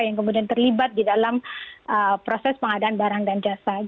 yang kemudian terlibat di dalam proses pengadaan barang dan jasa